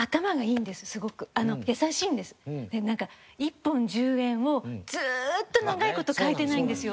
１本１０円をずーっと長い事変えてないんですよ。